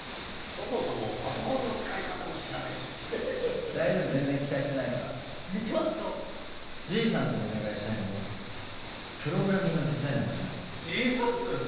そもそもパソコンの使い方も知らねえしヘヘヘヘヘヘッ大丈夫全然期待してないからちょっと爺さんズにお願いしたいのはプログラミングの手伝いなんかじゃない爺さんズ？